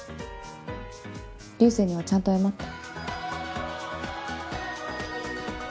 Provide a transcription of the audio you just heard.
流星にはちゃんと謝って。